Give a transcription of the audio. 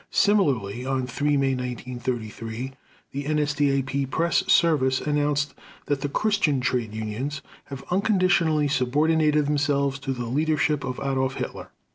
Similarly, on 3 May 1933 the NSDAP press service announced that the Christian trade unions "have unconditionally subordinated themselves to the leadership of Adolf Hitler."